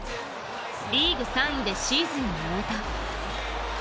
リーグ３位でシーズンを終えた。